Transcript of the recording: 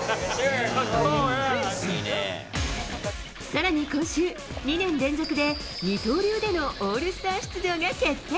さらに今週、２年連続で二刀流でのオールスター出場が決定。